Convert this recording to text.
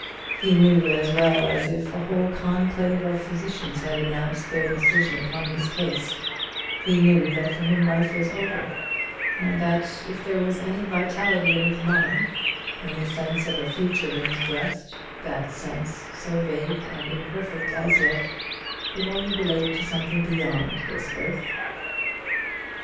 He knew as well as if a whole conclave of physicians had announced their decision upon his case, he knew that for him life was over; and that if there was any vitality in his mind, any sense of a future in his breast, that sense, so vague and imperfect as yet, could only relate to something beyond this earth.